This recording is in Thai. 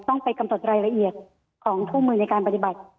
ต้องไปกำหนดรายละเอียดของคู่มือในการปฏิบัติ